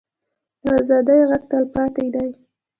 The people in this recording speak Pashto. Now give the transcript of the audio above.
د ازادۍ غږ تلپاتې دی